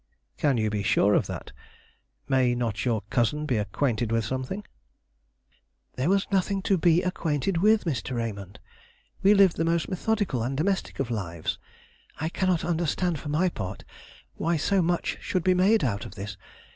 "Can you be sure of that? May not your cousin be acquainted with something " "There was nothing to be acquainted with, Mr. Raymond. We lived the most methodical and domestic of lives. I cannot understand, for my part, why so much should be made out of this.